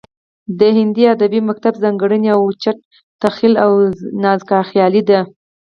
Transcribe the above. د هندي ادبي مکتب ځانګړنې اوچت تخیل او نازکخیالي ده